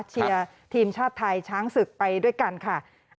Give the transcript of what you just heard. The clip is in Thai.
เชียร์ทีมชาติไทยช้างศึกไปด้วยกันค่ะ